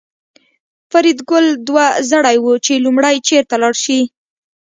فریدګل دوه زړی و چې لومړی چېرته لاړ شي